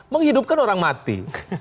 menghidupkan orang mati